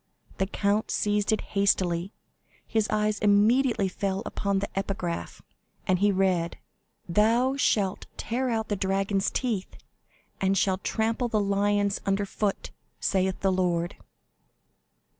The count seized it hastily, his eyes immediately fell upon the epigraph, and he read: "Thou shalt tear out the dragons' teeth, and shall trample the lions under foot, saith the Lord."